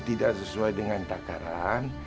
tidak sesuai dengan takaran